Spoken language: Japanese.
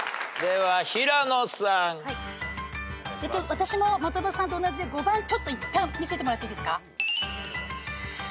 私も的場さんと同じで５番ちょっといったん見せてもらっていいですか。